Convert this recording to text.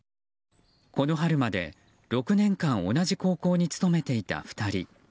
この春まで６年間同じ高校に勤めていた２人。